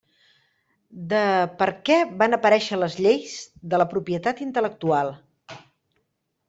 De per què van aparèixer les lleis de la propietat intel·lectual.